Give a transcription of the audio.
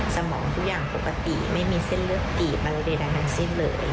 สมองทุกอย่างปกติไม่มีเส้นเลือดตีบอะไรใดทั้งสิ้นเลย